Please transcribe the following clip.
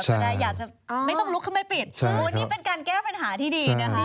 แต่อยากจะไม่ต้องลุกคือไม่ปิดนี่เป็นการแก้ปัญหาที่ดีนะครับ